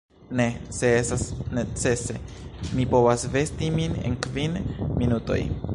Ne; se estas necese, mi povas vesti min en kvin minutoj.